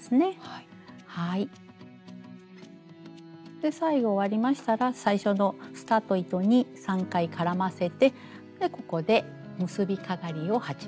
で最後終わりましたら最初のスタート糸に３回絡ませてここで結びかがりを始めます。